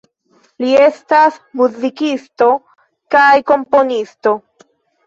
Li estas muzikisto kaj komponisto.